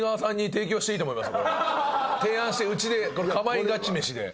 提案してうちで『かまいガチ』メシで。